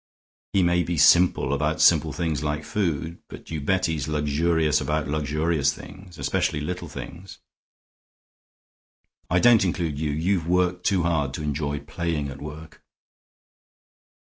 He may be simple about simple things like food, but you bet he's luxurious about luxurious things, especially little things. I don't include you; you've worked too hard to enjoy playing at work."